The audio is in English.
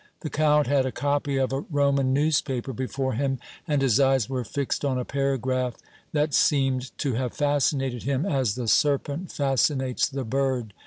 The Count had a copy of a Roman newspaper before him, and his eyes were fixed on a paragraph that seemed to have fascinated him as the serpent fascinates the bird.